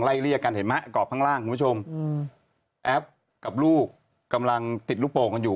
เรียกกันเห็นไหมกรอบข้างล่างคุณผู้ชมแอปกับลูกกำลังติดลูกโป่งกันอยู่